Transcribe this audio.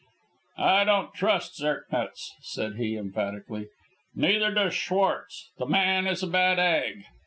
"I don't trust Zirknitz," said he, emphatically, "neither does Schwartz. The man is a bad egg.